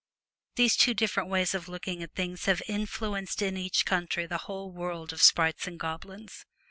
These two different ways of looking at things have influenced in each country the whole world of sprites and goblins.